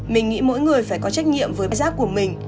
mình nghĩ mỗi người phải có trách nhiệm với bãi rác của mình